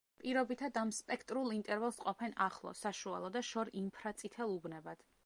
პირობითად ამ სპექტრულ ინტერვალს ყოფენ ახლო, საშუალო და შორ ინფრაწითელ უბნებად.